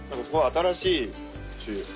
すごい新しいし。